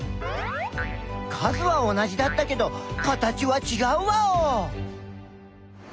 数は同じだったけど形はちがうワオ！